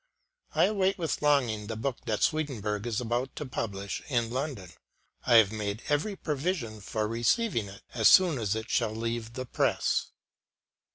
I await with longing the book that Swedenborg is about to publish in London. I have made every provision for receiving it as soon as it shall leave the press.